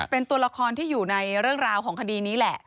เป็นตัวละครที่อยู่ในเรื่องราวของคดีนี้แหละ